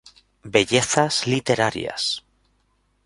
Bellezas literarias.